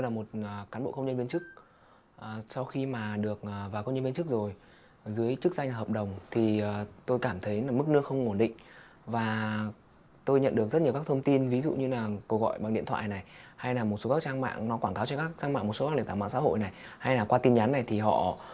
nếu bạn là cán bộ công chức sửa nhà xây nhà mua xe ô tô